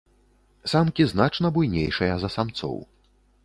Самкі значна буйнейшыя за самцоў.